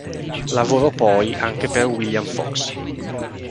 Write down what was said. Lavorò poi anche per William Fox.